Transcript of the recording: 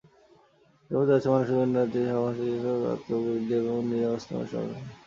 এর মধ্যে আছে মানসিক উন্নতি, সামাজিক যোগাযোগ বৃদ্ধি, আত্ম উপলব্ধি বৃদ্ধি এবং নিজের অবস্থান সম্পর্কে সচেতন হওয়া।